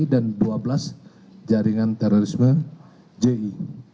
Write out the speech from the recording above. dan dua belas jaringan terorisme ji